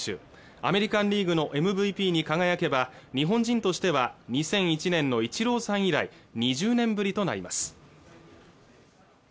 アメリカンリーグのＭＶＰに輝けば日本人としては２００１年のイチローさん以来２０年ぶりとなります